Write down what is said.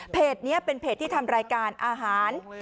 นี้เป็นเพจที่ทำรายการอาหาร